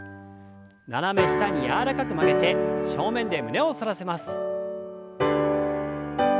斜め下に柔らかく曲げて正面で胸を反らせます。